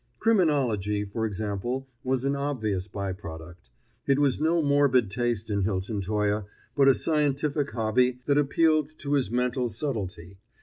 Criminology, for example, was an obvious by product; it was no morbid taste in Hilton Toye, but a scientific hobby that appealed to his mental subtlety.